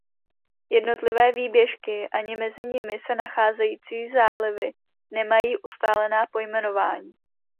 Jednotlivé výběžky ani mezi nimi se nacházející zálivy nemají ustálená pojmenování.